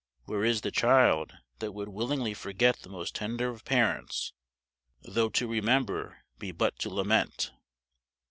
Where is the child that would willingly forget the most tender of parents, though to remember be but to lament?